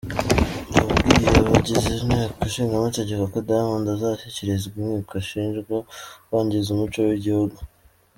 Yabwiye abagize Inteko Nshingamategeko ko Diamond azashyikirizwa inkiko ashinjwa kwangiza umuco w’igihugu.